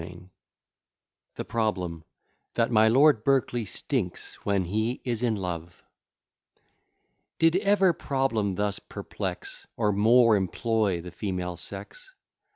] THE PROBLEM, "THAT MY LORD BERKELEY STINKS WHEN HE IS IN LOVE" Did ever problem thus perplex, Or more employ the female sex?